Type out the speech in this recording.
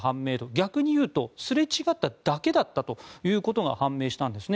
逆に言うとすれ違っただけだったということが判明したんですね。